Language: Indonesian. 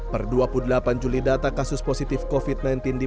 per dua puluh delapan juli data kasus positif covid sembilan belas di